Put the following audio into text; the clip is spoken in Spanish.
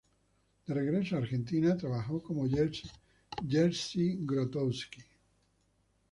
De regreso en Argentina trabajó con Jerzy Grotowski.